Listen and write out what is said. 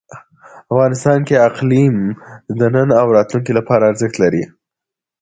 افغانستان کې اقلیم د نن او راتلونکي لپاره ارزښت لري.